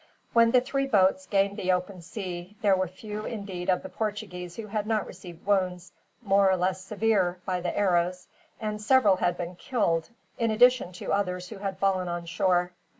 When the three boats gained the open sea there were few, indeed, of the Portuguese who had not received wounds, more or less severe, by the arrows; and several had been killed, in addition to others who had fallen on shore.